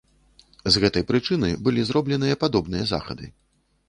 З гэтай прычыны і былі зробленыя падобныя захады.